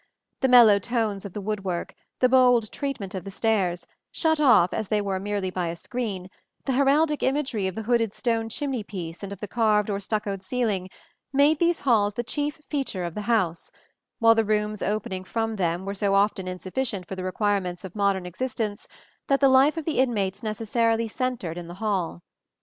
The mellow tones of the wood work; the bold treatment of the stairs, shut off as they were merely by a screen; the heraldic imagery of the hooded stone chimney piece and of the carved or stuccoed ceiling, made these halls the chief feature of the house; while the rooms opening from them were so often insufficient for the requirements of modern existence, that the life of the inmates necessarily centred in the hall.